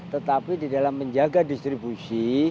tetapi di dalam menjaga distribusi